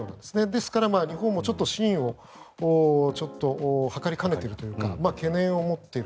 ですから日本も真をちょっと測りかねているというか懸念を持っている。